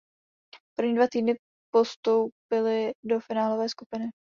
První dva týmy postoupily do finálové skupiny.